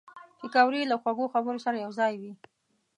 پکورې له خوږو خبرو سره یوځای وي